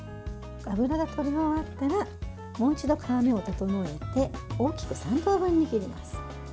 脂がとり終わったらもう一度、皮目を整えて大きく３等分に切ります。